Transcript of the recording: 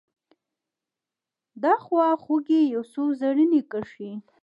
دخوا خوګۍ یو څو رزیني کرښې